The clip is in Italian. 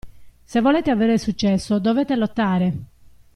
Se volete avere successo, dovete lottare!